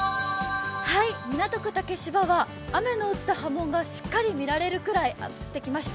港区竹芝は雨の落ちた波紋がしっかり見られるくらい降ってきました。